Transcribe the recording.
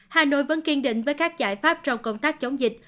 hà nội vẫn kiên định với các giải pháp trong công tác chống dịch